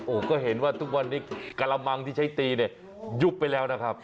โอ้โหก็เห็นว่าทุกวันนี้กระมังที่ใช้ตีเนี่ยยุบไปแล้วนะครับ